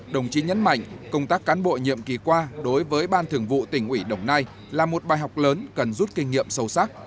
đồng chí nhấn mạnh công tác cán bộ nhiệm kỳ qua đối với ban thường vụ tỉnh ủy đồng nai là một bài học lớn cần rút kinh nghiệm sâu sắc